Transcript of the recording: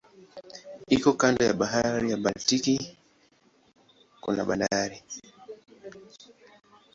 Iko kando ya bahari ya Baltiki kuna bandari.